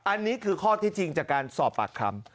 อันนี้คือข้อที่จริงจากการสอบปากคำ